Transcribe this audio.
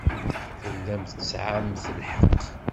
Tellamt tesɛamt lḥeqq.